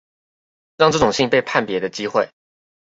讓這種信被判別的機會